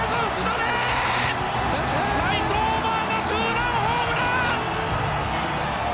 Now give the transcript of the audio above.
ライトオーバーでツーランホームラン！